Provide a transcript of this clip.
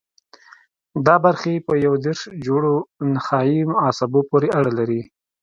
دا برخې په یو دېرش جوړو نخاعي عصبو پورې اړه لري.